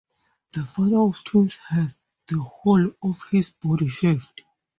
The father of twins has the whole of his body shaved.